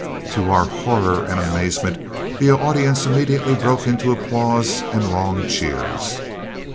To our horror and amazement the audience immediately broke into applause and long cheers.